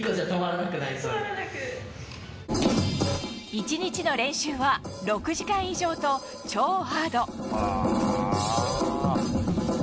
１日の練習は６時間以上と超ハード。